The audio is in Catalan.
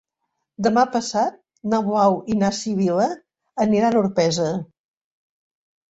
Demà passat na Blau i na Sibil·la aniran a Orpesa.